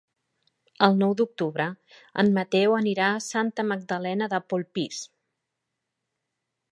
El nou d'octubre en Mateu anirà a Santa Magdalena de Polpís.